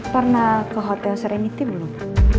pernah ke hotel seremite belum